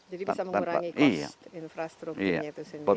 jadi bisa mengurangi cost infrastrukturnya itu sendiri